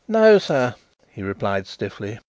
"No sir," he replied stiffly.